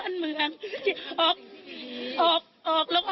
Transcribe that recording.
ถ้าไม่ถึงมันขนาดนี้แหละพี่ว่า